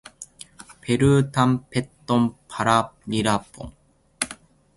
ペルータンペットンパラリラポン